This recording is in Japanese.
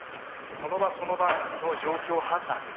その場その場の状況判断ですよね。